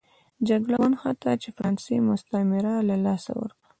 جګړه ونښته چې فرانسې مستعمره له لاسه ورکړه.